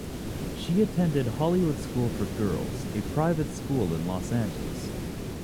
She attended Hollywood School for Girls, a private school in Los Angeles.